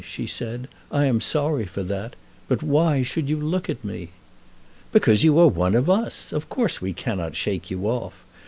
she said. "I am sorry for that; but why should you look at me?" "Because you are one of us. Of course we cannot shake you off.